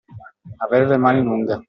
Aver le mani lunghe.